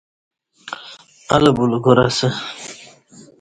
الہ بولہ کار اسہ